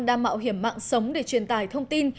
đang mạo hiểm mạng sống để truyền tải thông tin